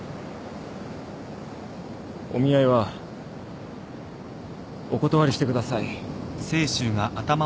お見合いはお断りしてください。